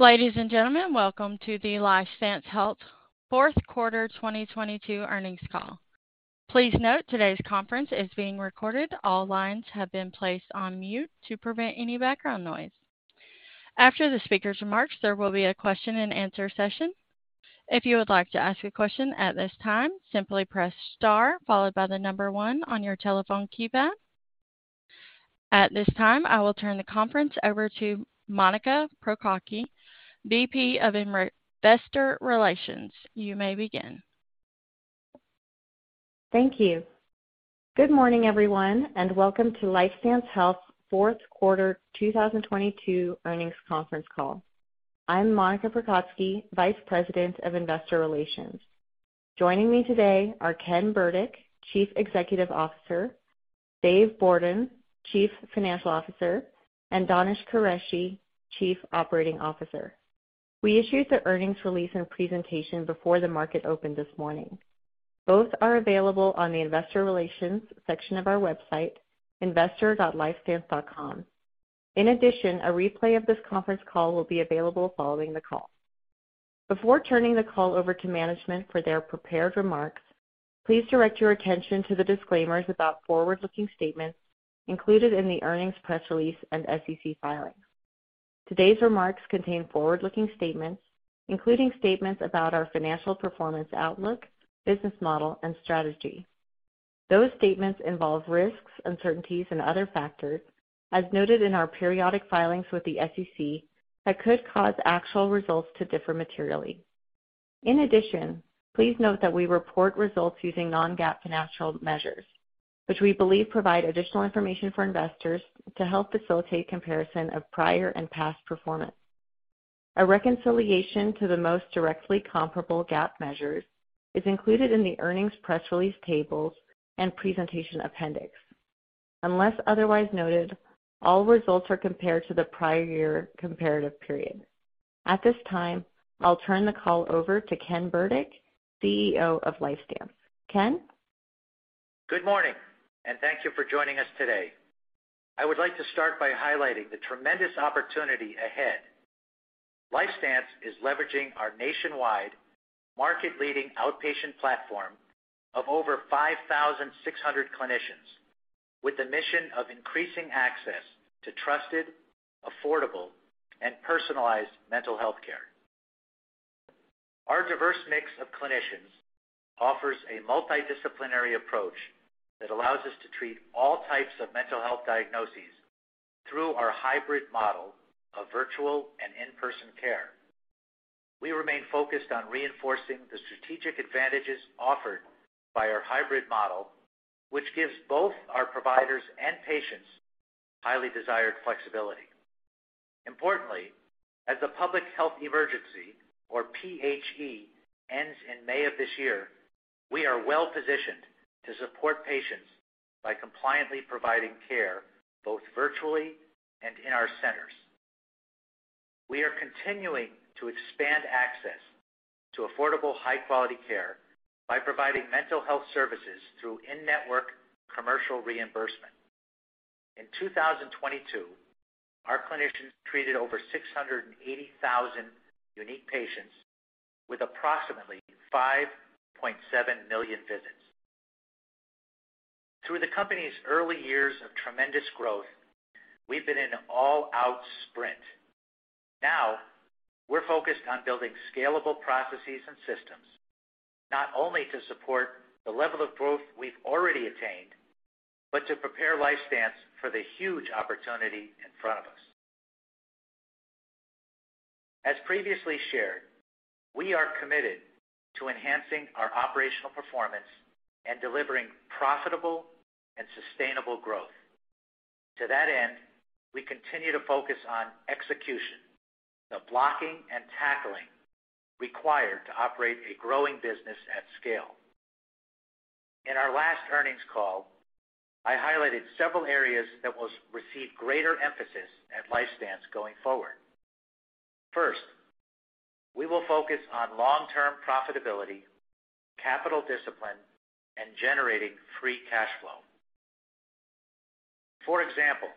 Ladies and gentlemen, welcome to the LifeStance Health Fourth Quarter 2022 Earnings Call. Please note today's conference is being recorded. All lines have been placed on mute to prevent any background noise. After the speaker's remarks, there will be a question and answer session. If you would like to ask a question at this time, simply press star followed by the number one on your telephone keypad. At this time, I will turn the conference over to Monica Prokocki, VP of Investor Relations. You may begin. Thank you. Good morning, everyone, welcome to LifeStance Health Fourth Quarter 2022 Earnings Conference Call. I'm Monica Prokocki, Vice President of Investor Relations. Joining me today are Ken Burdick, Chief Executive Officer, Dave Bourdon, Chief Financial Officer, and Danish Qureshi, Chief Operating Officer. We issued the earnings release and presentation before the market opened this morning. Both are available on the investor relations section of our website, investor.lifestance.com. A replay of this conference call will be available following the call. Before turning the call over to management for their prepared remarks, please direct your attention to the disclaimers about forward-looking statements included in the earnings press release and SEC filings. Today's remarks contain forward-looking statements, including statements about our financial performance outlook, business model, and strategy. Those statements involve risks, uncertainties and other factors, as noted in our periodic filings with the SEC that could cause actual results to differ materially. In addition, please note that we report results using non-GAAP financial measures, which we believe provide additional information for investors to help facilitate comparison of prior and past performance. A reconciliation to the most directly comparable GAAP measures is included in the earnings press release tables and presentation appendix. Unless otherwise noted, all results are compared to the prior year comparative period. At this time, I'll turn the call over to Ken Burdick, CEO of LifeStance. Ken. Good morning. Thank you for joining us today. I would like to start by highlighting the tremendous opportunity ahead. LifeStance is leveraging our nationwide market-leading outpatient platform of over 5,600 clinicians with the mission of increasing access to trusted, affordable, and personalized mental health care. Our diverse mix of clinicians offers a multidisciplinary approach that allows us to treat all types of mental health diagnoses through our hybrid model of virtual and in-person care. We remain focused on reinforcing the strategic advantages offered by our hybrid model, which gives both our providers and patients highly desired flexibility. Importantly, as the public health emergency, or PHE, ends in May of this year, we are well-positioned to support patients by compliantly providing care both virtually and in our centers. We are continuing to expand access to affordable, high-quality care by providing mental health services through in-network commercial reimbursement. In 2022, our clinicians treated over 680,000 unique patients with approximately 5.7 million visits. Through the company's early years of tremendous growth, we've been in an all-out sprint. Now, we're focused on building scalable processes and systems, not only to support the level of growth we've already attained, but to prepare LifeStance for the huge opportunity in front of us. As previously shared, we are committed to enhancing our operational performance and delivering profitable and sustainable growth. To that end, we continue to focus on execution, the blocking and tackling required to operate a growing business at scale. In our last earnings call, I highlighted several areas that will receive greater emphasis at LifeStance going forward. First, we will focus on long-term profitability, capital discipline, and generating free cash flow. For example,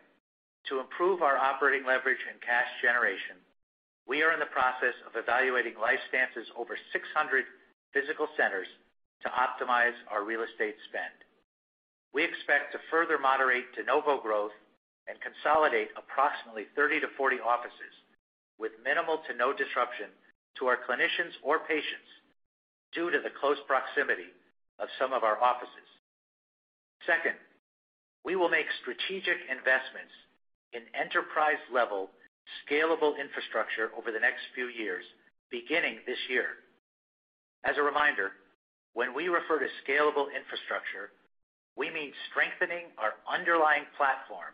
to improve our operating leverage and cash generation, we are in the process of evaluating LifeStance's over 600 physical centers to optimize our real estate spend. We expect to further moderate de novo growth and consolidate approximately 30-40 offices with minimal to no disruption to our clinicians or patients due to the close proximity of some of our offices. Second, we will make strategic investments in enterprise-level scalable infrastructure over the next few years, beginning this year. As a reminder, when we refer to scalable infrastructure, we mean strengthening our underlying platform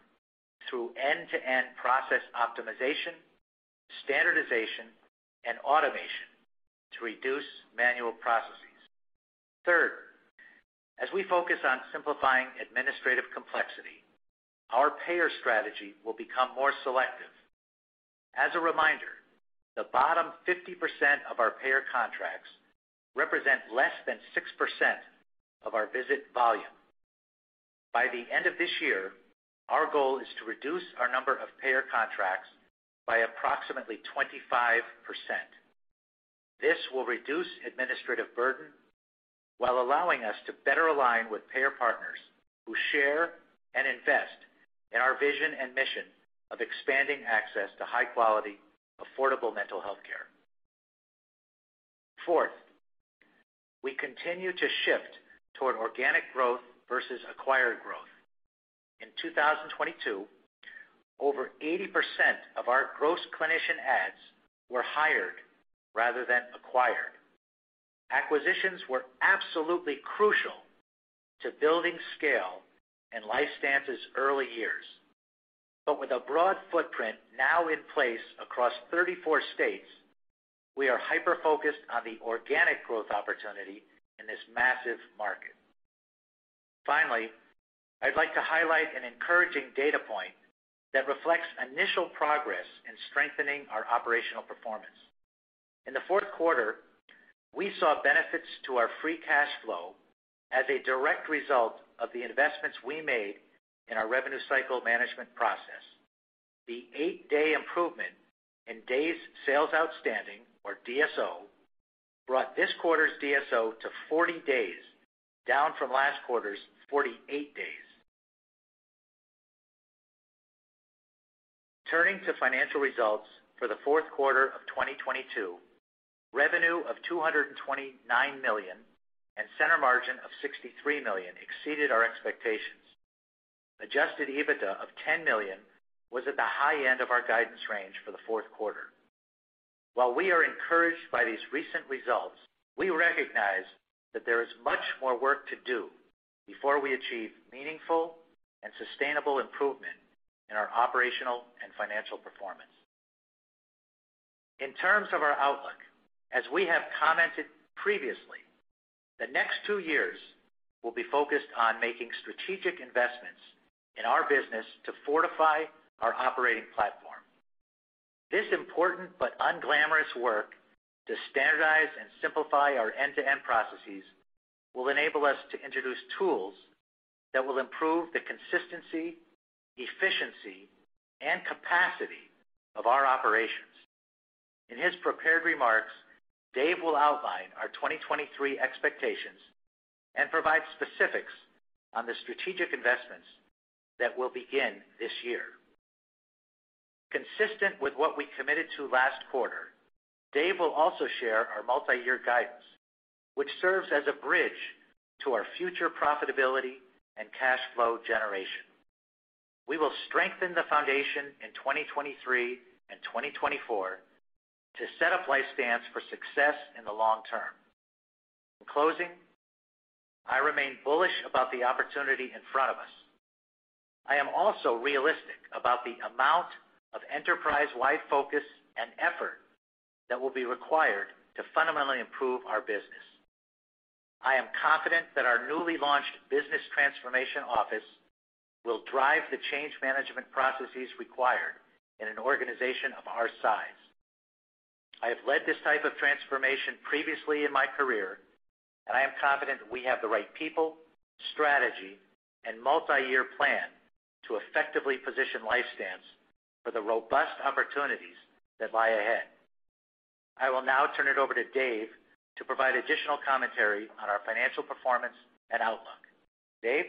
through end-to-end process optimization, standardization, and automation to reduce manual processes. Third, as we focus on simplifying administrative complexity, our payer strategy will become more selective. As a reminder, the bottom 50% of our payer contracts represent less than 6% of our visit volume. By the end of this year, our goal is to reduce our number of payer contracts by approximately 25%. This will reduce administrative burden while allowing us to better align with payer partners who share and invest in our vision and mission of expanding access to high quality, affordable mental health care. Fourth, we continue to shift toward organic growth versus acquired growth. In 2022, over 80% of our gross clinician adds were hired rather than acquired. Acquisitions were absolutely crucial to building scale in LifeStance's early years. With a broad footprint now in place across 34 states, we are hyper-focused on the organic growth opportunity in this massive market. Finally, I'd like to highlight an encouraging data point that reflects initial progress in strengthening our operational performance. In the fourth quarter, we saw benefits to our free cash flow as a direct result of the investments we made in our revenue cycle management process. The eight-day improvement in days sales outstanding, or DSO, brought this quarter's DSO to 40 days, down from last quarter's 48 days. Turning to financial results for the fourth quarter of 2022, revenue of $229 million and Center Margin of $63 million exceeded our expectations. Adjusted EBITDA of $10 million was at the high end of our guidance range for the fourth quarter. While we are encouraged by these recent results, we recognize that there is much more work to do before we achieve meaningful and sustainable improvement in our operational and financial performance. In terms of our outlook, as we have commented previously, the next two years will be focused on making strategic investments in our business to fortify our operating platform. This important but unglamorous work to standardize and simplify our end-to-end processes will enable us to introduce tools that will improve the consistency, efficiency, and capacity of our operations. In his prepared remarks, Dave will outline our 2023 expectations and provide specifics on the strategic investments that will begin this year. Consistent with what we committed to last quarter, Dave will also share our multi-year guidance, which serves as a bridge to our future profitability and cash flow generation. We will strengthen the foundation in 2023 and 2024 to set up LifeStance for success in the long term. In closing, I remain bullish about the opportunity in front of us. I am also realistic about the amount of enterprise-wide focus and effort that will be required to fundamentally improve our business. I am confident that our newly launched Business Transformation Office will drive the change management processes required in an organization of our size. I have led this type of transformation previously in my career, and I am confident that we have the right people, strategy, and multi-year plan to effectively position LifeStance for the robust opportunities that lie ahead. I will now turn it over to Dave to provide additional commentary on our financial performance and outlook. Dave?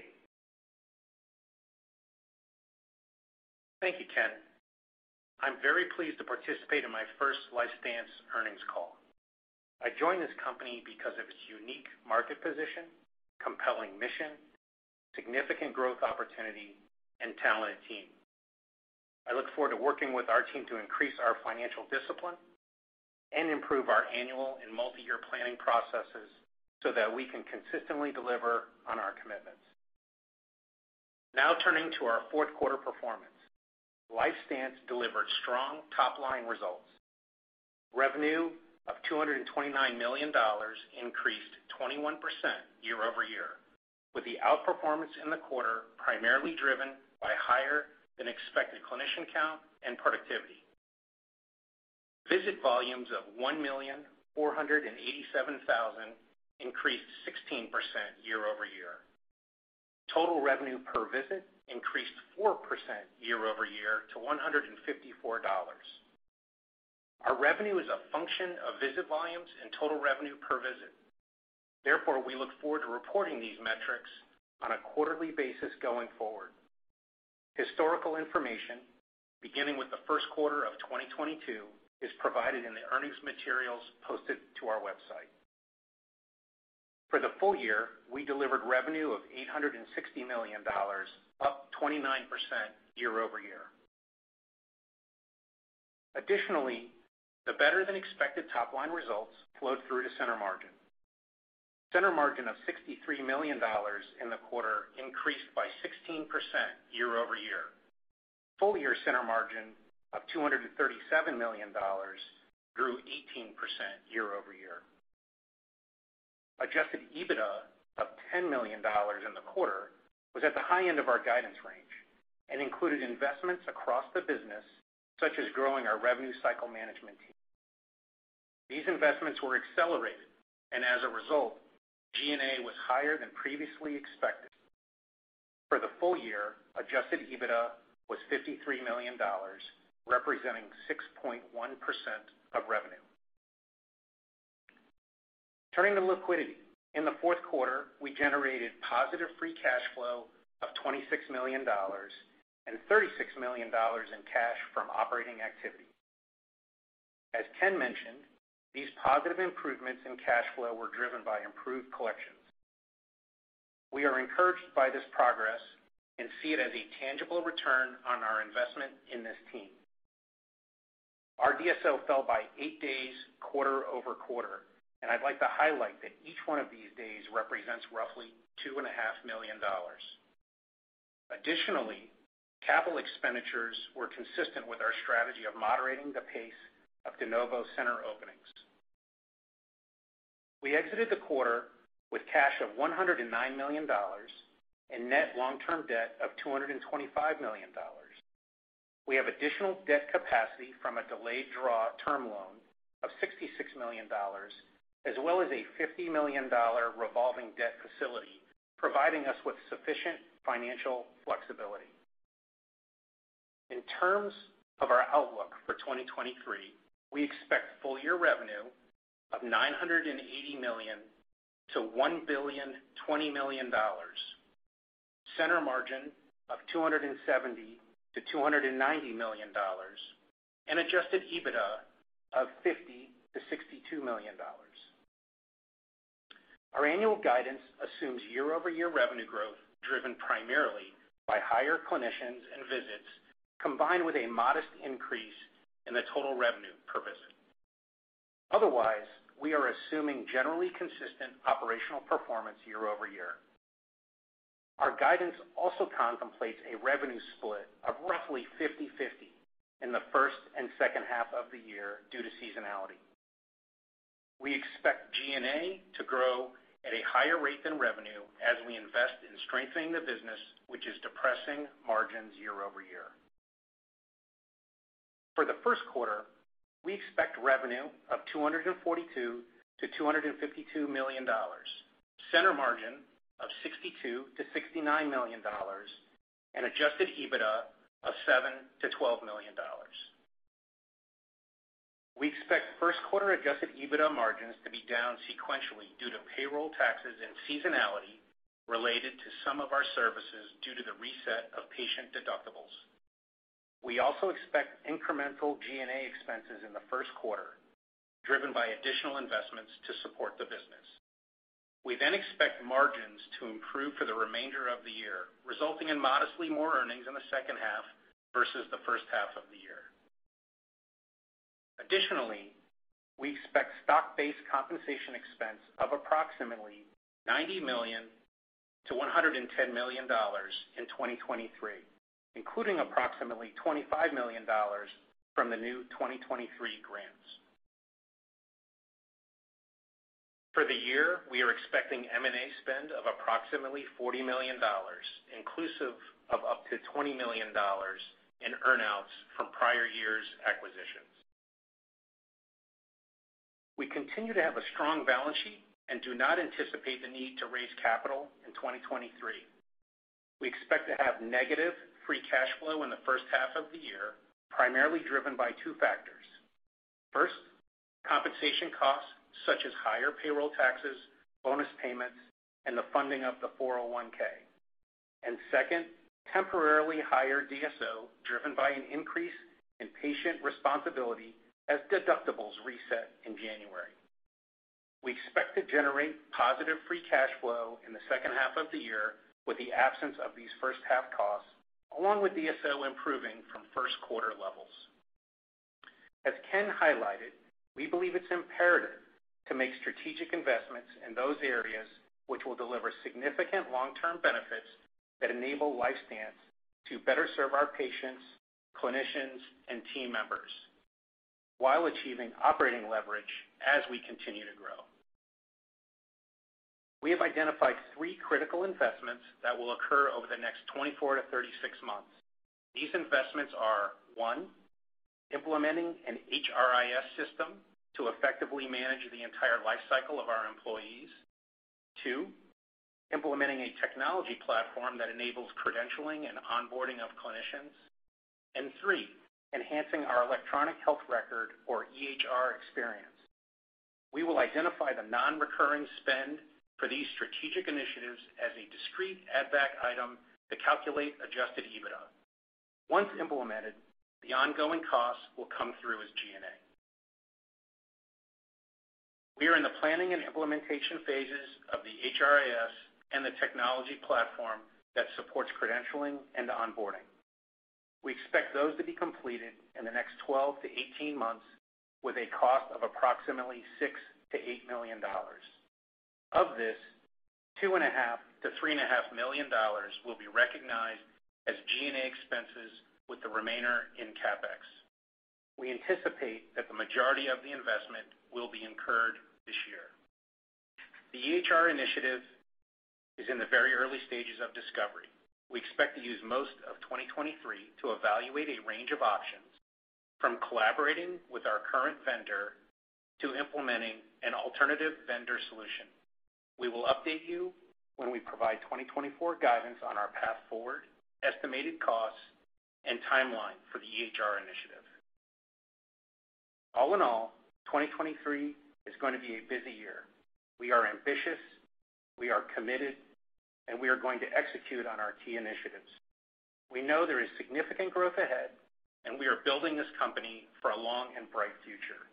Thank you, Ken. I'm very pleased to participate in my first LifeStance earnings call. I joined this company because of its unique market position, compelling mission, significant growth opportunity, and talented team. I look forward to working with our team to increase our financial discipline and improve our annual and multi-year planning processes so that we can consistently deliver on our commitments. Turning to our fourth quarter performance. LifeStance delivered strong top-line results. Revenue of $229 million increased 21% year-over-year, with the outperformance in the quarter primarily driven by higher than expected clinician count and productivity. Visit volumes of 1,487,000 increased 16% year-over-year. Total revenue per visit increased 4% year-over-year to $154. Our revenue is a function of visit volumes and total revenue per visit. We look forward to reporting these metrics on a quarterly basis going forward. Historical information, beginning with the first quarter of 2022, is provided in the earnings materials posted to our website. For the full year, we delivered revenue of $860 million, up 29% year-over-year. Additionally, the better-than-expected top-line results flowed through to Center Margin. Center Margin of $63 million in the quarter increased by 16% year-over-year. Full year Center Margin of $237 million grew 18% year-over-year. Adjusted EBITDA of $10 million in the quarter was at the high end of our guidance range and included investments across the business, such as growing our revenue cycle management team. These investments were accelerated and as a result, G&A was higher than previously expected. For the full year, Adjusted EBITDA was $53 million, representing 6.1% of revenue. Turning to liquidity. In the fourth quarter, we generated positive free cash flow of $26 million and $36 million in cash from operating activity. As Ken mentioned, these positive improvements in cash flow were driven by improved collections. We are encouraged by this progress and see it as a tangible return on our investment in this team. Our DSO fell by eight days quarter-over-quarter. I'd like to highlight that each one of these days represents roughly two and a half million dollars. Additionally, capital expenditures were consistent with our strategy of moderating the pace of de novo center openings. We exited the quarter with cash of $109 million and net long-term debt of $225 million. We have additional debt capacity from a delayed draw term loan of $66 million, as well as a $50 million revolving debt facility, providing us with sufficient financial flexibility. In terms of our outlook for 2023, we expect full year revenue of $980 million-$1.02 billion, Center Margin of $270 million-$290 million, and adjusted EBITDA of $50 million-$62 million. Our annual guidance assumes year-over-year revenue growth driven primarily by higher clinicians and visits, combined with a modest increase in the total revenue per visit. Otherwise, we are assuming generally consistent operational performance year-over-year. Our guidance also contemplates a revenue split of roughly 50/50 in the first and second half of the year due to seasonality. We expect G&A to grow at a higher rate than revenue as we invest in strengthening the business, which is depressing margins year-over-year. For the first quarter, we expect revenue of $242 million-$252 million, Center Margin of $62 million-$69 million, and adjusted EBITDA of $7 million-$12 million. We expect first quarter adjusted EBITDA margins to be down sequentially due to payroll taxes and seasonality related to some of our services due to the reset of patient deductibles. We also expect incremental G&A expenses in the first quarter, driven by additional investments to support the business. We expect margins to improve for the remainder of the year, resulting in modestly more earnings in the second half versus the first half of the year. Additionally, we expect stock-based compensation expense of approximately $90 million-$110 million in 2023, including approximately $25 million from the new 2023 grants. For the year, we are expecting M&A spend of approximately $40 million, inclusive of up to $20 million in earn-outs from prior years' acquisitions. We continue to have a strong balance sheet and do not anticipate the need to raise capital in 2023. We expect to have negative free cash flow in the first half of the year, primarily driven by two factors. First, compensation costs such as higher payroll taxes, bonus payments, and the funding of the 401(k). Second, temporarily higher DSO driven by an increase in patient responsibility as deductibles reset in January. We expect to generate positive free cash flow in the second half of the year with the absence of these first half costs, along with DSO improving from first quarter levels. As Ken highlighted, we believe it's imperative to make strategic investments in those areas which will deliver significant long-term benefits that enable LifeStance to better serve our patients, clinicians, and team members while achieving operating leverage as we continue to grow. We have identified three critical investments that will occur over the next 24-36 months. These investments are, one, implementing an HRIS system to effectively manage the entire life cycle of our employees. Two, implementing a technology platform that enables credentialing and onboarding of clinicians. Three, enhancing our electronic health record or EHR experience. We will identify the non-recurring spend for these strategic initiatives as a discrete add back item to calculate adjusted EBITDA. Once implemented, the ongoing costs will come through as G&A. We are in the planning and implementation phases of the HRIS and the technology platform that supports credentialing and onboarding. We expect those to be completed in the next 12-18 months with a cost of approximately $6 million-$8 million. Of this, $2.5 million-$3.5 million will be recognized as G&A expenses, with the remainder in CapEx. We anticipate that the majority of the investment will be incurred. The EHR initiative is in the very early stages of discovery. We expect to use most of 2023 to evaluate a range of options, from collaborating with our current vendor to implementing an alternative vendor solution. We will update you when we provide 2024 guidance on our path forward, estimated costs, and timeline for the EHR initiative. All in all, 2023 is going to be a busy year. We are ambitious, we are committed, and we are going to execute on our key initiatives. We know there is significant growth ahead, and we are building this company for a long and bright future.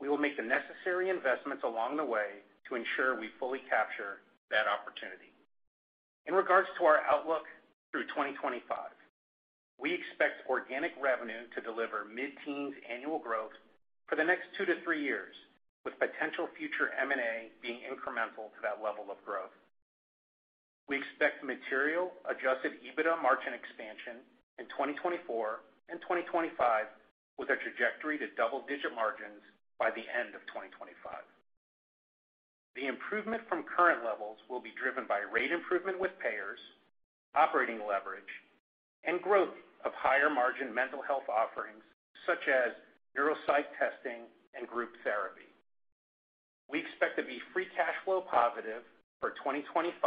We will make the necessary investments along the way to ensure we fully capture that opportunity. In regards to our outlook through 2025, we expect organic revenue to deliver mid-teens annual growth for the next two to three years, with potential future M&A being incremental to that level of growth. We expect material Adjusted EBITDA margin expansion in 2024 and 2025, with a trajectory to double-digit margins by the end of 2025. The improvement from current levels will be driven by rate improvement with payers, operating leverage, and growth of higher margin mental health offerings such as neuropsych testing and group therapy. We expect to be free cash flow positive for 2025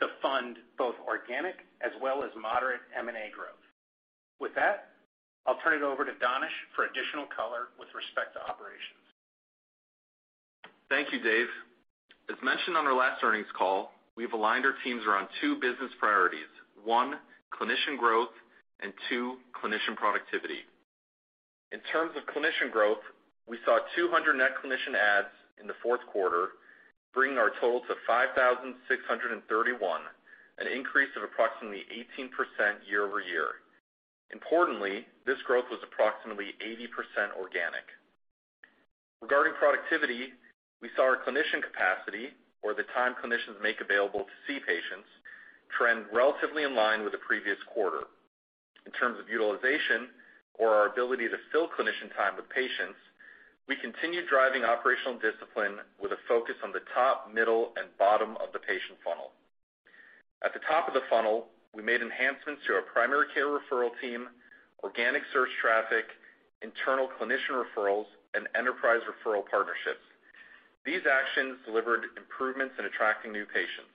to fund both organic as well as moderate M&A growth. With that, I'll turn it over to Danish for additional color with respect to operations. Thank you, Dave. As mentioned on our last earnings call, we've aligned our teams around two business priorities. One, clinician growth and two, clinician productivity. In terms of clinician growth, we saw 200 net clinician adds in the fourth quarter, bringing our total to 5,631, an increase of approximately 18% year-over-year. Importantly, this growth was approximately 80% organic. Regarding productivity, we saw our clinician capacity, or the time clinicians make available to see patients, trend relatively in line with the previous quarter. In terms of utilization, or our ability to fill clinician time with patients, we continue driving operational discipline with a focus on the top, middle, and bottom of the patient funnel. At the top of the funnel, we made enhancements to our primary care referral team, organic search traffic, internal clinician referrals, and enterprise referral partnerships. These actions delivered improvements in attracting new patients.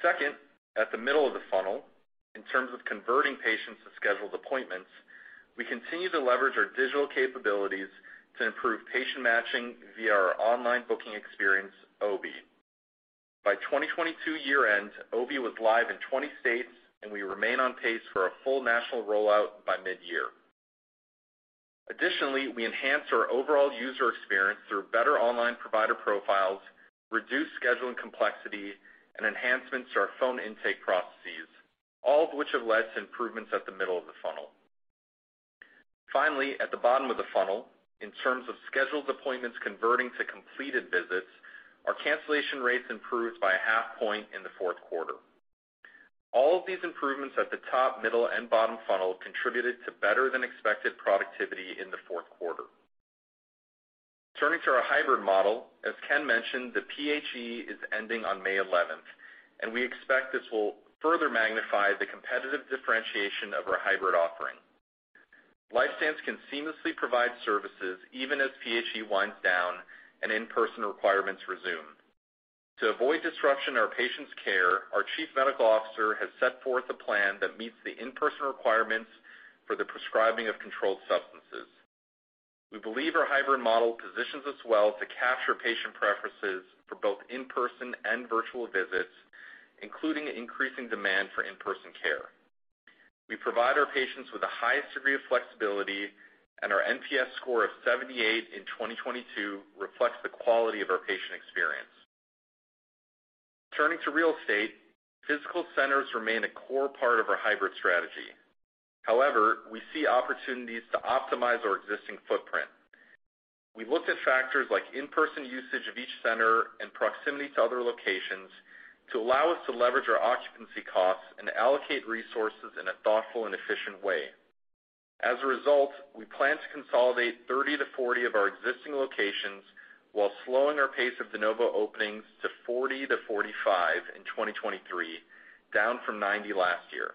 Second, at the middle of the funnel, in terms of converting patients to scheduled appointments, we continue to leverage our digital capabilities to improve patient matching via our online booking experience, OBE. By 2022 year-end, OBE was live in 20 states. We remain on pace for a full national rollout by mid-year. Additionally, we enhance our overall user experience through better online provider profiles, reduced scheduling complexity, and enhancements to our phone intake processes, all of which have led to improvements at the middle of the funnel. Finally, at the bottom of the funnel, in terms of scheduled appointments converting to completed visits, our cancellation rates improved by a half point in the fourth quarter. All of these improvements at the top, middle, and bottom funnel contributed to better than expected productivity in the fourth quarter. Turning to our hybrid model, as Ken mentioned, the PHE is ending on May 11th. We expect this will further magnify the competitive differentiation of our hybrid offering. LifeStance can seamlessly provide services even as PHE winds down and in-person requirements resume. To avoid disruption in our patient's care, our chief medical officer has set forth a plan that meets the in-person requirements for the prescribing of controlled substances. We believe our hybrid model positions us well to capture patient preferences for both in-person and virtual visits, including increasing demand for in-person care. We provide our patients with the highest degree of flexibility. Our NPS score of 78 in 2022 reflects the quality of our patient experience. Turning to real estate, physical centers remain a core part of our hybrid strategy. However, we see opportunities to optimize our existing footprint. We've looked at factors like in-person usage of each center and proximity to other locations to allow us to leverage our occupancy costs and allocate resources in a thoughtful and efficient way. As a result, we plan to consolidate 30-40 of our existing locations while slowing our pace of de novo openings to 40-45 in 2023, down from 90 last year.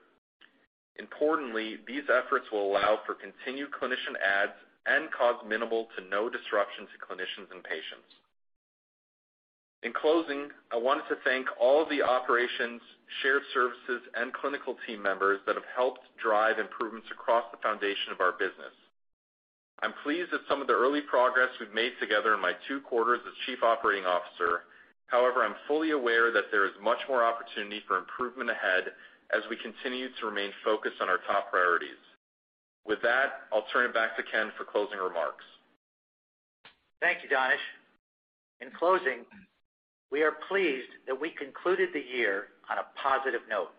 Importantly, these efforts will allow for continued clinician adds and cause minimal to no disruption to clinicians and patients. In closing, I wanted to thank all the operations, shared services, and clinical team members that have helped drive improvements across the foundation of our business. I'm pleased at some of the early progress we've made together in my two quarters as Chief Operating Officer. However, I'm fully aware that there is much more opportunity for improvement ahead as we continue to remain focused on our top priorities. With that, I'll turn it back to Ken for closing remarks. Thank you, Danish. In closing, we are pleased that we concluded the year on a positive note.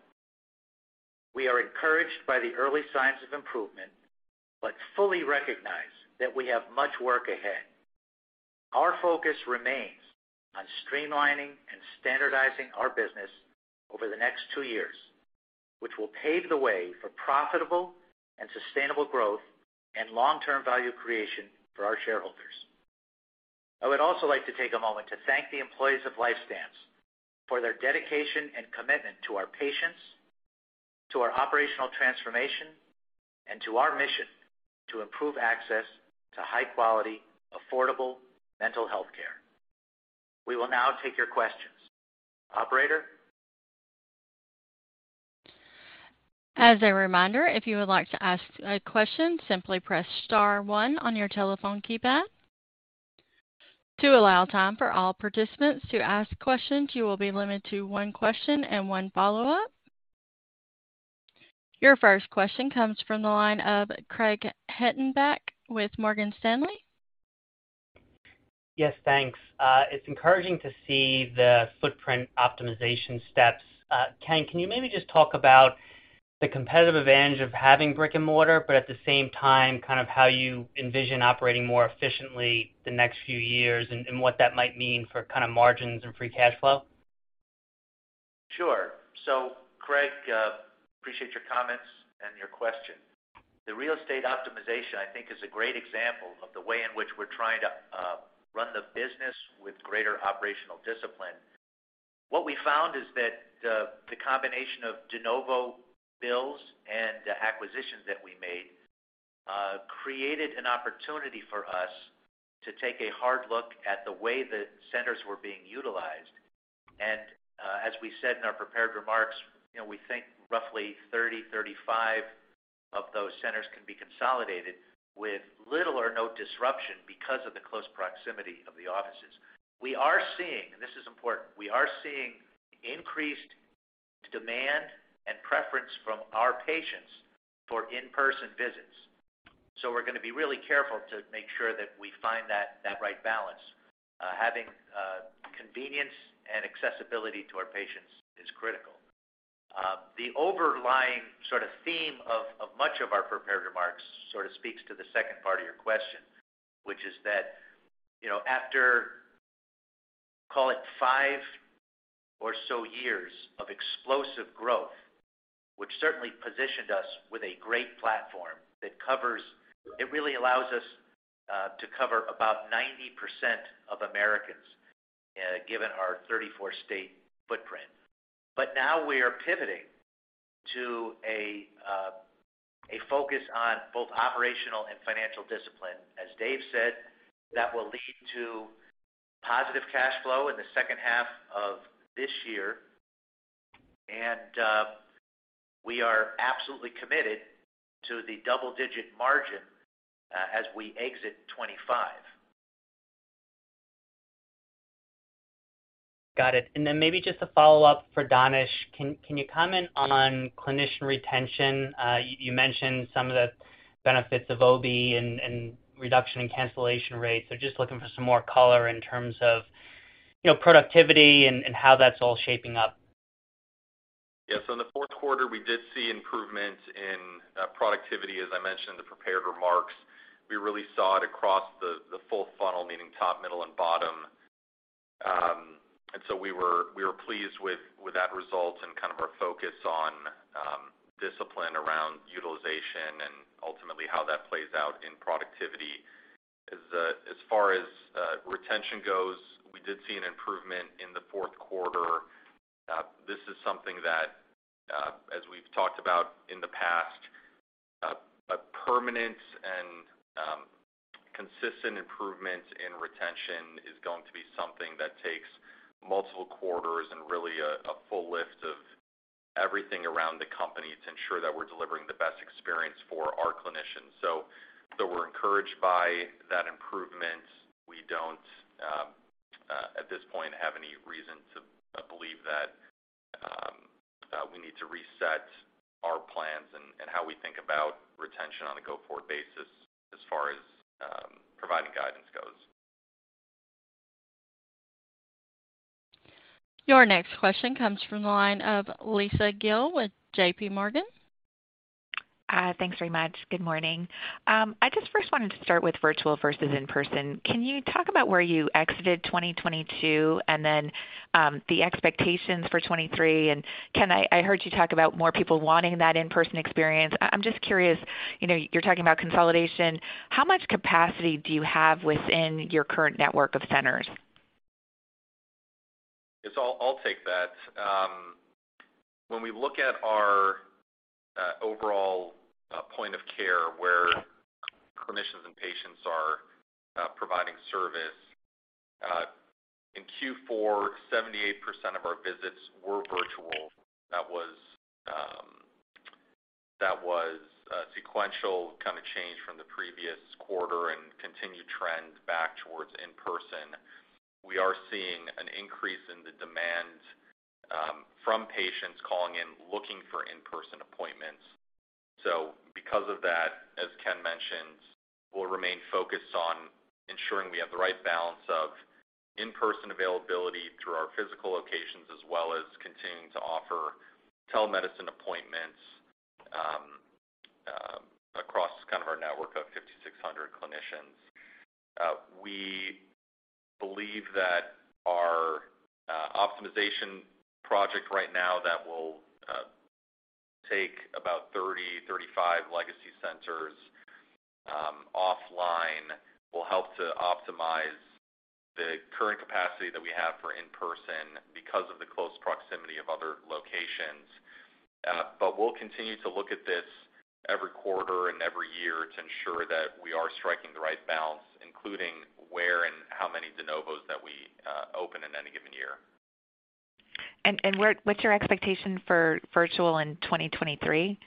We are encouraged by the early signs of improvement, but fully recognize that we have much work ahead. Our focus remains on streamlining and standardizing our business over the next two years. Will pave the way for profitable and sustainable growth and long-term value creation for our shareholders. I would also like to take a moment to thank the employees of LifeStance for their dedication and commitment to our patients, to our operational transformation, and to our mission to improve access to high quality, affordable mental health care. We will now take your questions. Operator? As a reminder, if you would like to ask a question, simply press star one on your telephone keypad. To allow time for all participants to ask questions, you will be limited to one question and one follow-up. Your first question comes from the line of Craig Hettenbach with Morgan Stanley. Yes, thanks. It's encouraging to see the footprint optimization steps. Ken, can you maybe just talk about the competitive advantage of having brick-and-mortar, but at the same time, kind of how you envision operating more efficiently the next few years and what that might mean for kinda margins and free cash flow? Sure. Craig, appreciate your comments and your question. The real estate optimization, I think, is a great example of the way in which we're trying to run the business with greater operational discipline. What we found is that the combination of de novo bills and the acquisitions that we made, created an opportunity for us to take a hard look at the way the centers were being utilized. As we said in our prepared remarks, you know, we think roughly 30-35 of those centers can be consolidated with little or no disruption because of the close proximity of the offices. We are seeing, and this is important, we are seeing increased demand and preference from our patients for in-person visits. We're gonna be really careful to make sure that we find that right balance. Having convenience and accessibility to our patients is critical. The overlying sort of theme of much of our prepared remarks sort of speaks to the second part of your question, which is that, you know, after, call it five or so years of explosive growth, which certainly positioned us with a great platform that covers. It really allows us to cover about 90% of Americans, given our 34 state footprint. Now we are pivoting to a focus on both operational and financial discipline. As Dave said, that will lead to positive cash flow in the second half of this year. We are absolutely committed to the double-digit margin as we exit 2025. Got it. Maybe just a follow-up for Danish. Can you comment on clinician retention? You mentioned some of the benefits of OB and reduction in cancellation rates. Just looking for some more color in terms of, you know, productivity and how that's all shaping up. Yes. In the fourth quarter, we did see improvement in productivity. As I mentioned in the prepared remarks, we really saw it across the full funnel, meaning top, middle, and bottom. We were pleased with that result and kind of our focus on discipline around utilization and ultimately how that plays out in productivity. As far as retention goes, we did see an improvement in the fourth quarter. This is something that, as we've talked about in the past, a permanent and consistent improvements in retention is going to be something that takes multiple quarters and really a full lift of everything around the company to ensure that we're delivering the best experience for our clinicians. Though we're encouraged by that improvement, we don't, at this point, have any reason to believe that we need to reset our plans and how we think about retention on a go-forward basis as far as providing guidance goes. Your next question comes from the line of Lisa Gill with JPMorgan. Thanks very much. Good morning. I just first wanted to start with virtual versus in-person. Can you talk about where you exited 2022 and then, the expectations for 2023? Ken, I heard you talk about more people wanting that in-person experience. I'm just curious, you know, you're talking about consolidation, how much capacity do you have within your current network of centers? Yes, I'll take that. When we look at our overall point of care where clinicians and patients are providing service in Q4, 78% of our visits were virtual. That was a sequential kinda change from the previous quarter and continued trend back towards in-person. We are seeing an increase in the demand from patients calling in, looking for in-person appointments. Because of that, as Ken mentioned, we'll remain focused on ensuring we have the right balance of in-person availability through our physical locations, as well as continuing to offer telemedicine appointments. 600 clinicians. We believe that our optimization project right now that will take about 30-35 legacy centers offline will help to optimize the current capacity that we have for in-person because of the close proximity of other locations. We'll continue to look at this every quarter and every year to ensure that we are striking the right balance, including where and how many de novos that we open in any given year. What's your expectation for virtual in 2023?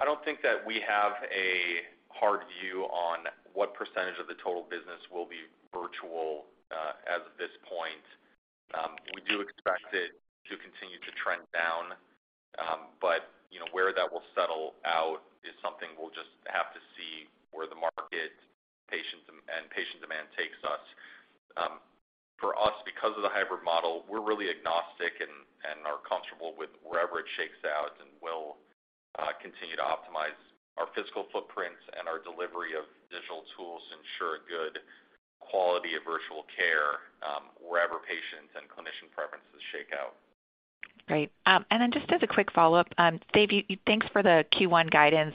I don't think that we have a hard view on what % of the total business will be virtual, as of this point. We do expect it to continue to trend down, but, you know, where that will settle out is something we'll just have to see where the market patients and patient demand takes us. For us, because of the hybrid model, we're really agnostic and are comfortable with wherever it shakes out, and we'll continue to optimize our physical footprints and our delivery of digital tools to ensure a good quality of virtual care, wherever patients and clinician preferences shake out. Great. Just as a quick follow-up, Dave, thanks for the Q1 guidance.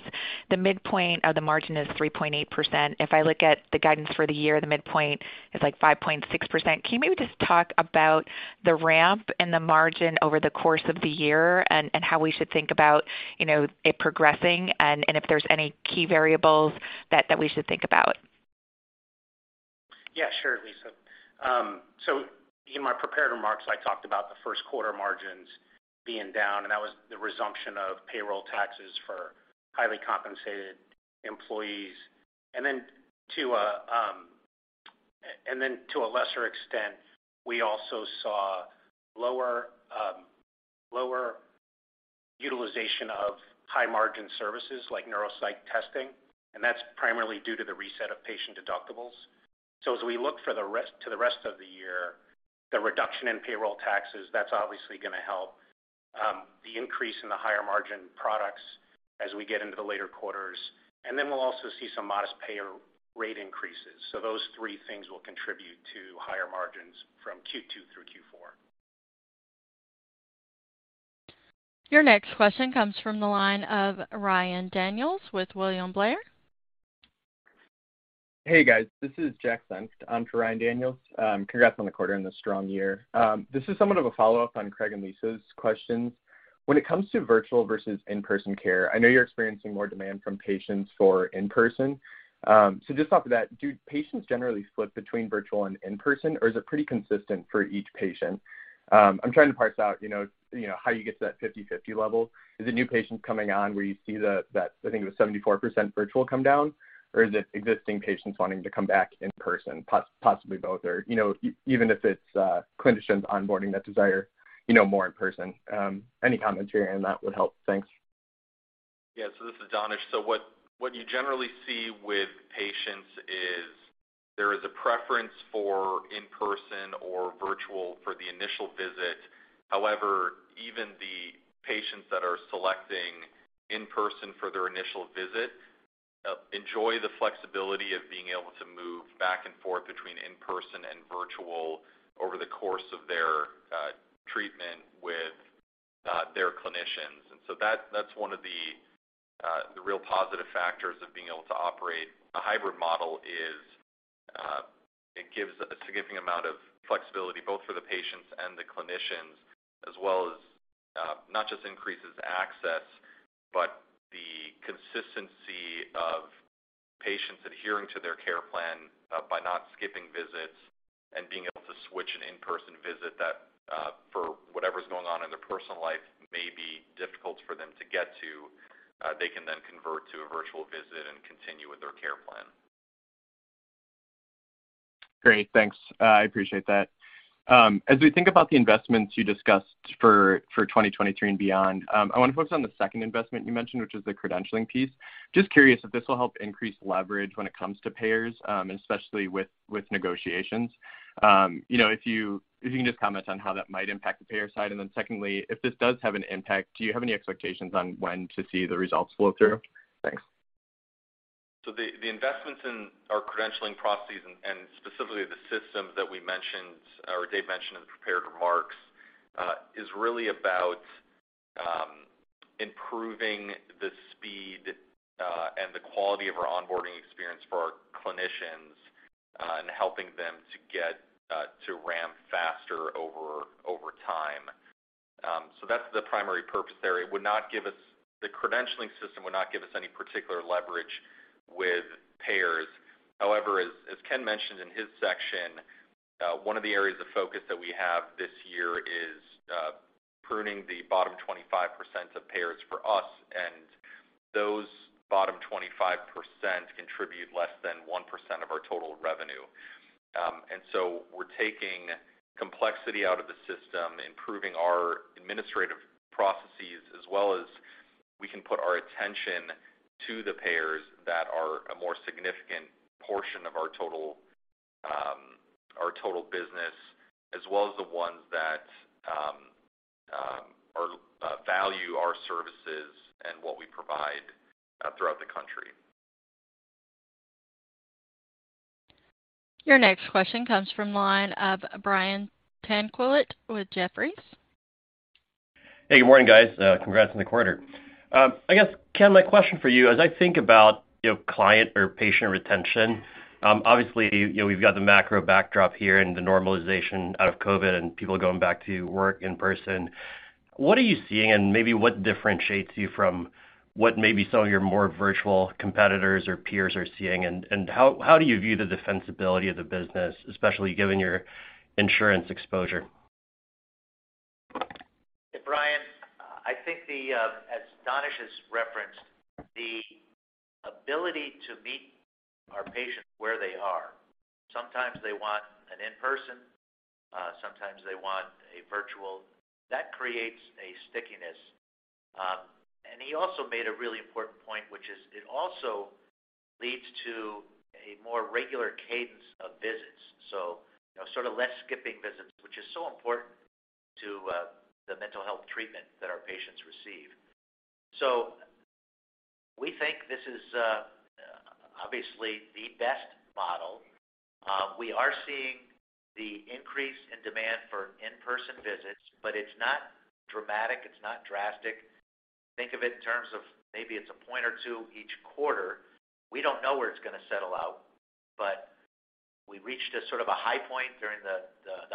The midpoint of the margin is 3.8%. If I look at the guidance for the year, the midpoint is, like, 5.6%. Can you maybe just talk about the ramp and the margin over the course of the year and how we should think about, you know, it progressing and if there's any key variables that we should think about? Yeah, sure, Lisa. In my prepared remarks, I talked about the first quarter margins being down, and that was the resumption of payroll taxes for highly compensated employees. Then to a lesser extent, we also saw lower utilization of high-margin services like neuropsych testing, and that's primarily due to the reset of patient deductibles. As we look to the rest of the year, the reduction in payroll taxes, that's obviously gonna help the increase in the higher margin products as we get into the later quarters. We'll also see some modest payer rate increases. Those three things will contribute to higher margins from Q2 through Q4. Your next question comes from the line of Ryan Daniels with William Blair. Hey, guys. This is Jack Senft. I'm for Ryan Daniels. Congrats on the quarter and the strong year. This is somewhat of a follow-up on Craig and Lisa's questions. When it comes to virtual versus in-person care, I know you're experiencing more demand from patients for in-person. Just off of that, do patients generally split between virtual and in-person, or is it pretty consistent for each patient? I'm trying to parse out, you know, how you get to that 50/50 level. Is it new patients coming on where you see the, that I think it was 74% virtual come down, or is it existing patients wanting to come back in person, possibly both or, you know, even if it's clinicians onboarding that desire, you know, more in person? Any commentary on that would help. Thanks. Yeah. This is Danish. What you generally see with patients is there is a preference for in-person or virtual for the initial visit. However, even the patients that are selecting in-person for their initial visit, enjoy the flexibility of being able to move back and forth between in-person and virtual over the course of their treatment with their clinicians. That's one of the real positive factors of being able to operate a hybrid model is, it gives a significant amount of flexibility both for the patients and the clinicians, as well as, not just increases access, but the consistency of patients adhering to their care plan, by not skipping visits and being able to switch an in-person visit that, for whatever's going on in their personal life may be difficult for them to get to, they can then convert to a virtual visit and continue with their care plan. Great. Thanks. I appreciate that. As we think about the investments you discussed for 2023 and beyond, I wanna focus on the second investment you mentioned, which is the credentialing piece. Just curious if this will help increase leverage when it comes to payers, especially with negotiations. you know, if you can just comment on how that might impact the payer side. Secondly, if this does have an impact, do you have any expectations on when to see the results flow through? Thanks. The investments in our credentialing processes and specifically the systems that we mentioned or Dave mentioned in the prepared remarks, is really about improving the speed and the quality of our onboarding experience for our clinicians and helping them to get to ramp faster over time. That's the primary purpose there. The credentialing system would not give us any particular leverage with payers. However, as Ken mentioned in his section, one of the areas of focus that we have this year is pruning the bottom 25% of payers for us, and those bottom 25% contribute less than 1% of our total revenue. We're taking complexity out of the system, improving our administrative processes, as well as we can put our attention to the payers that are a more significant portion of our total business, as well as the ones that value our services and what we provide throughout the country. Your next question comes from line of Brian Tanquilut with Jefferies. Hey, good morning, guys. Congrats on the quarter. I guess, Ken, my question for you, as I think about, you know, client or patient retention, obviously, you know, we've got the macro backdrop here and the normalization out of COVID and people going back to work in person. What are you seeing and maybe what differentiates you from what maybe some of your more virtual competitors or peers are seeing? How do you view the defensibility of the business, especially given your insurance exposure? Brian, I think the, as Danish has referenced, the ability to meet our patients where they are. Sometimes they want an in-person, sometimes they want a virtual. That creates a stickiness. And he also made a really important point, which is it also leads to a more regular cadence of visits. You know, sort of less skipping visits, which is so important to the mental health treatment that our patients receive. We think this is obviously the best model. We are seeing the increase in demand for in-person visits, but it's not dramatic, it's not drastic. Think of it in terms of maybe it's a point or two each quarter. We don't know where it's gonna settle out, but we reached a sort of a high point during the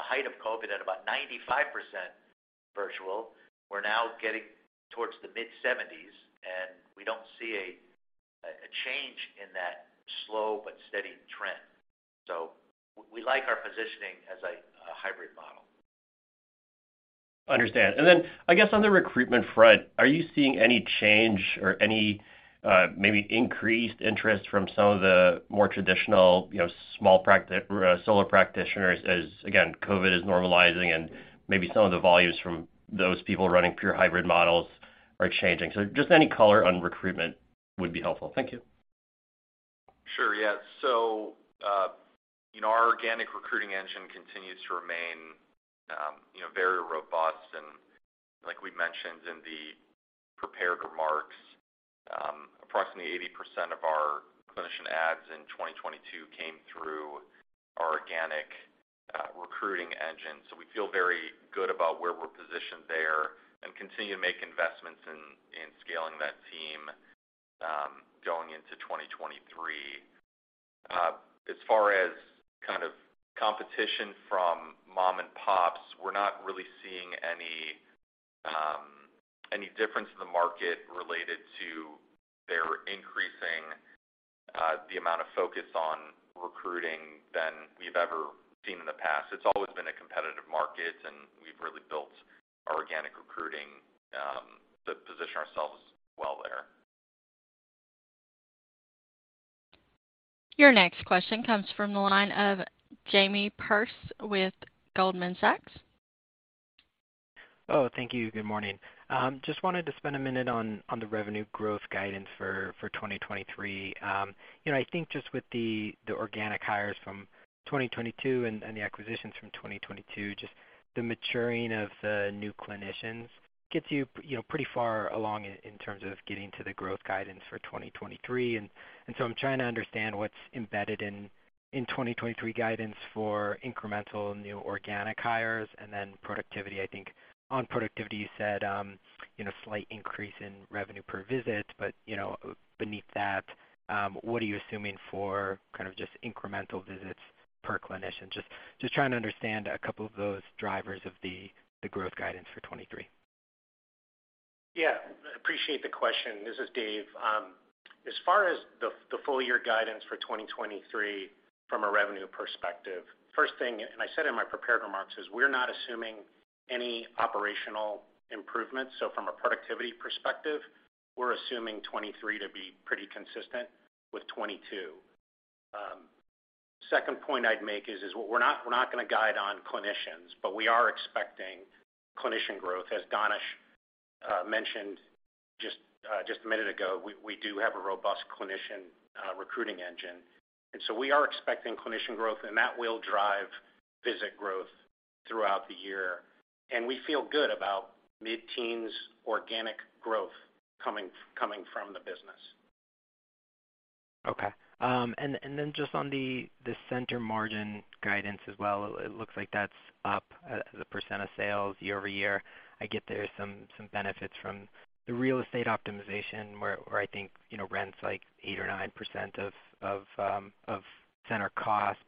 height of COVID at about 95% virtual. We're now getting towards the mid-70s, we don't see a change in that slow but steady trend. We like our positioning as a hybrid model. Understand. I guess on the recruitment front, are you seeing any change or any maybe increased interest from some of the more traditional, you know, small or solo practitioners as, again, COVID is normalizing and maybe some of the volumes from those people running pure hybrid models are changing? Just any color on recruitment would be helpful. Thank you. Sure. Yeah. You know, our organic recruiting engine continues to remain, you know, very robust. Like we mentioned in the prepared remarks, approximately 80% of our clinician ads in 2022 came through our organic recruiting engine. We feel very good about where we're positioned there and continue to make investments in scaling that team, going into 2023. As far as kind of competition from mom and pops, we're not really seeing any difference in the market related to their increasing, the amount of focus on recruiting than we've ever seen in the past. It's always been a competitive market, and we've really built our organic recruiting to position ourselves well there. Your next question comes from the line of Jamie Perse with Goldman Sachs. Thank you. Good morning. Just wanted to spend a minute on the revenue growth guidance for 2023. You know, I think just with the organic hires from 2022 and the acquisitions from 2022, just the maturing of the new clinicians gets you know, pretty far along in terms of getting to the growth guidance for 2023. So I'm trying to understand what's embedded in 2023 guidance for incremental new organic hires and then productivity. I think on productivity, you said, you know, slight increase in revenue per visit, but, you know, beneath that, what are you assuming for kind of just incremental visits per clinician? Just trying to understand a couple of those drivers of the growth guidance for 2023. Yeah, appreciate the question. This is Dave. As far as the full year guidance for 2023 from a revenue perspective, first thing, and I said in my prepared remarks, is we're not assuming any operational improvements. From a productivity perspective, we're assuming 2023 to be pretty consistent with 2022. Second point I'd make is we're not gonna guide on clinicians, but we are expecting clinician growth. As Danish mentioned just a minute ago, we do have a robust clinician recruiting engine, we are expecting clinician growth, and that will drive visit growth throughout the year. We feel good about mid-teens organic growth coming from the business. Okay. Then just on the Center Margin guidance as well, it looks like that's up as a % of sales year-over-year. I get there's some benefits from the real estate optimization where I think, you know, rent's like 8% or 9% of center cost.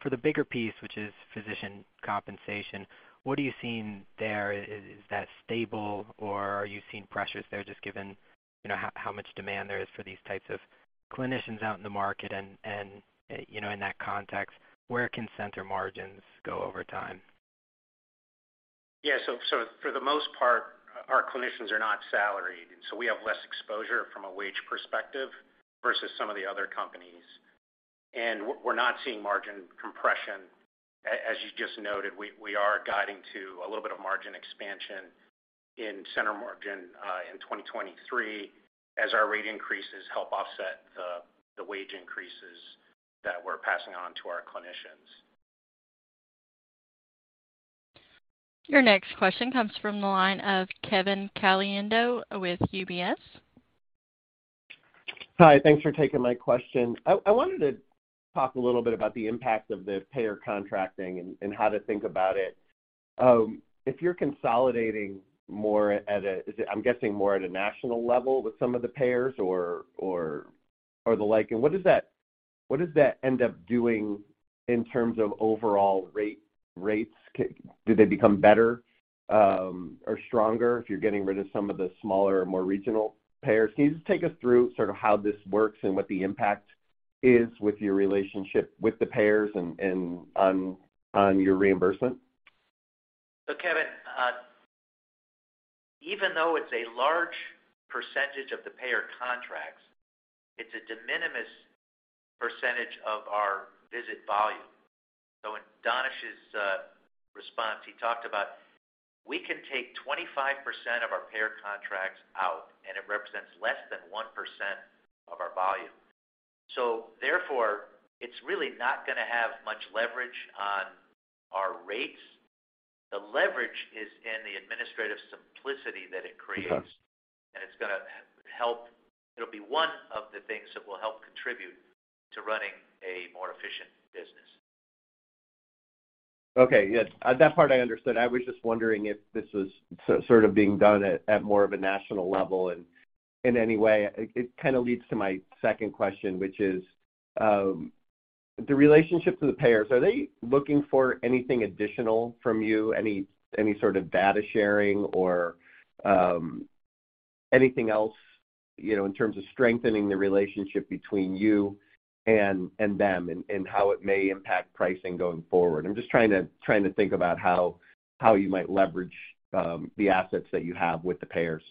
For the bigger piece, which is physician compensation, what are you seeing there? Is that stable or are you seeing pressures there just given, you know, how much demand there is for these types of clinicians out in the market? You know, in that context, where can Center Margins go over time? Yeah. For the most part, our clinicians are not salaried, we have less exposure from a wage perspective versus some of the other companies. We're not seeing margin compression. As you just noted, we are guiding to a little bit of margin expansion in Center Margin, in 2023 as our rate increases help offset the wage increases that we're passing on to our clinicians. Your next question comes from the line of Kevin Caliendo with UBS. Hi, thanks for taking my question. I wanted to talk a little bit about the impact of the payer contracting and how to think about it. If you're consolidating more, I'm guessing more at a national level with some of the payers or the like. What does that end up doing in terms of overall rates? Do they become better or stronger if you're getting rid of some of the smaller or more regional payers? Can you just take us through sort of how this works and what the impact is with your relationship with the payers and on your reimbursement? Kevin, even though it's a large percentage of the payer contracts, it's a de minimis percentage of our visit volume. In Danish's response, he talked about we can take 25% of our payer contracts out, and it represents less than 1% of our volume. Therefore, it's really not gonna have much leverage on our rates. The leverage is in the administrative simplicity that it creates. Okay. It's gonna help. It'll be one of the things that will help contribute to running a more efficient business. Okay, yes. That part I understood. I was just wondering if this was sort of being done at more of a national level in any way. It kind of leads to my second question, which is, the relationship to the payers, are they looking for anything additional from you, any sort of data sharing or anything else, you know, in terms of strengthening the relationship between you and them and how it may impact pricing going forward? I'm just trying to think about how you might leverage the assets that you have with the payers.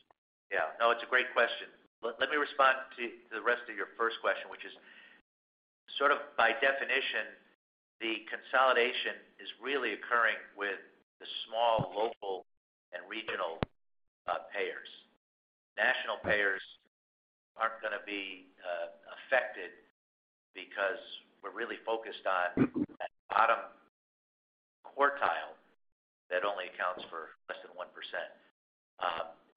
Yeah. No, it's a great question. Let me respond to the rest of your first question, which is, sort of by definition, the consolidation is really occurring with the small, local, and regional payers. National payers aren't gonna be affected because we're really focused on that bottom quartile that only accounts for less than 1%.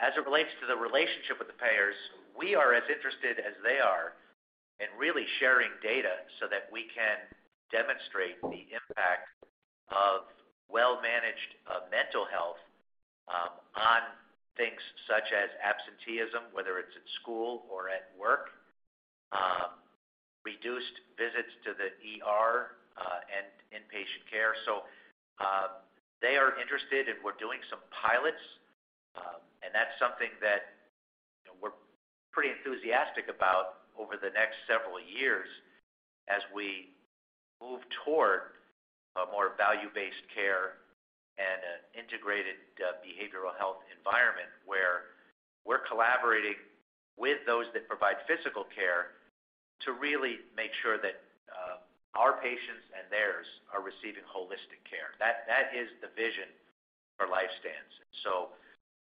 As it relates to the relationship with the payers, we are as interested as they are in really sharing data so that we can demonstrate the impact of well-managed mental health on things such as absenteeism, whether it's at school or at work, reduced visits to the ER and inpatient care. They are interested, and we're doing some pilots, and that's something that we're pretty enthusiastic about over the next several years as we move toward a more value-based care and an integrated, behavioral health environment where we're collaborating with those that provide physical care to really make sure that, our patients and theirs are receiving holistic care. That is the vision for LifeStance.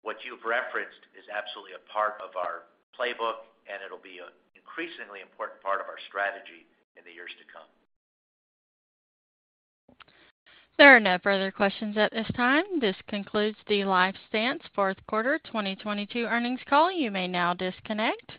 What you've referenced is absolutely a part of our playbook, and it'll be an increasingly important part of our strategy in the years to come. There are no further questions at this time. This concludes the LifeStance Fourth Quarter 2022 Earnings Call. You may now disconnect.